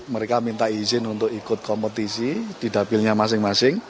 mereka minta izin untuk ikut kompetisi di dapilnya masing masing